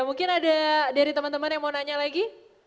mungkin ada dari teman teman yang mau nanya lagi